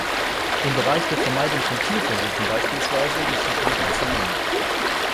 Im Bereich der Vermeidung von Tierversuchen beispielsweise geschieht eine ganze Menge.